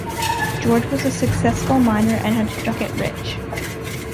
George was a successful miner and had struck it rich.